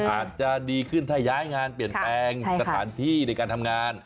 อาจจะดีขึ้นถ้าย้ายงานเปลี่ยนแปลงสถานที่ในการทำงาน